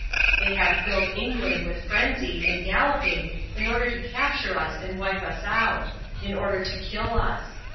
They have filled England with frenzy and galloping in order to capture us and wipe us out in order to kill us.